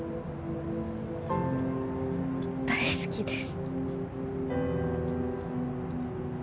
大好きです